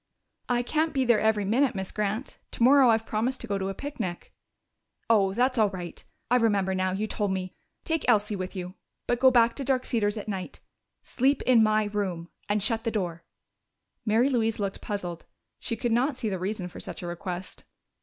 "I can't be there every minute, Miss Grant. Tomorrow I've promised to go on a picnic." "Oh, that's all right! I remember now, you told me. Take Elsie with you. But go back to Dark Cedars at night. Sleep in my room. And shut the door!" Mary Louise looked puzzled; she could not see the reason for such a request.